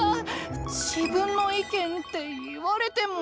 自分の意見って言われても。